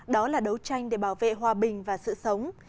đó là đấu tranh để bảo vệ hòa bình và sự sống